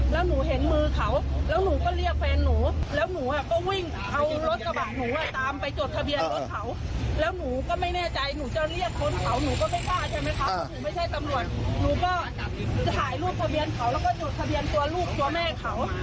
เราก็จดทะเบียนเขาแล้วก็จดทะเบียนตัวลูกตัวแม่เขา